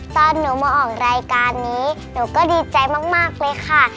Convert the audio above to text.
ตอนหนูมาออกรายการนี้หนูก็ดีใจมากเลยค่ะ